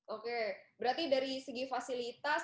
oke berarti dari segi fasilitas